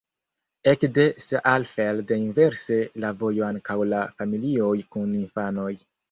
Ekde Saalfeld inverse la vojo ankaŭ de familioj kun infanoj.